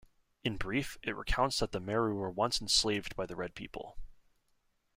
In brief, it recounts that the Meru were once enslaved by the Red People.